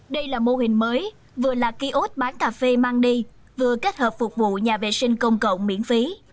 đây là mô hình mới vừa là kiosk bán cà phê mang đi vừa kết hợp phục vụ nhà vệ sinh công cộng miễn phí